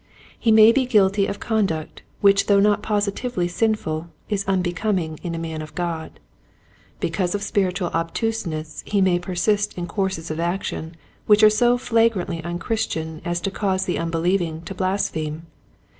He may be guilty of conduct which though not positively sinful is unbecoming in a man of God. Because of spiritual obtuseness he may persist in courses of action which are so flagrantly unchristian as to cause the unbelieving to blaspheme.